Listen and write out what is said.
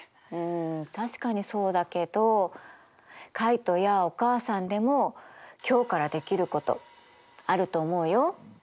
うん確かにそうだけどカイトやお母さんでも今日からできることあると思うよ。